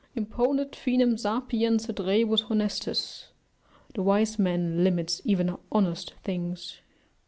"Imponit finem sapiens et rebus honestis." ["The wise man limits even honest things."